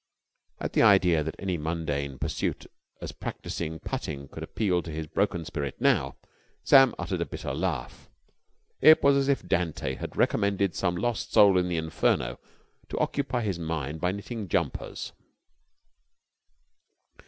At the idea that any mundane pursuit as practising putting could appeal to his broken spirit now, Sam uttered a bitter laugh. It was as if Dante had recommended some lost soul in the Inferno to occupy his mind by knitting jumpers.